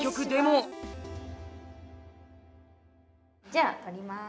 じゃあ取ります。